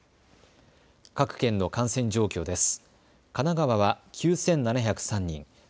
各県の感染状況です。